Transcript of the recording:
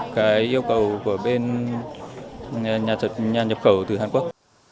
cái yêu cầu của bên nhà nhập khẩu từ hàn quốc